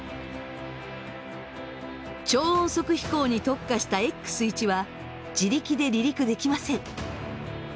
超音速飛行に特化したＸー１は自力で離陸できません。